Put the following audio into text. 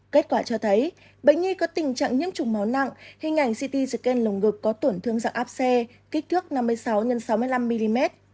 kết quả cho thấy bệnh nhi có tình trạng nhiễm trùng máu nặng hình ảnh city scan lồng ngực có tổn thương dạng áp xe kích thước năm mươi sáu x sáu mươi năm mm